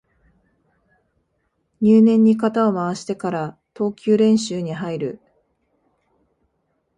入念に肩を回してから投球練習に入る